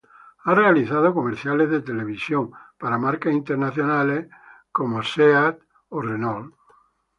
Ha realizado comerciales de televisión para marcas internacionales como Nissan o Sony.